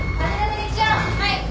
はい。